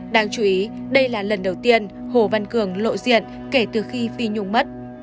đáng chú ý đây là lần đầu tiên hồ văn cường lộ diện kể từ khi phi nhung mất